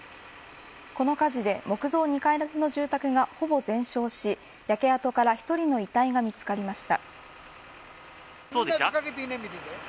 この火事で木造２階建ての住宅がほぼ全焼し焼け跡から１人の遺体が見つかりました。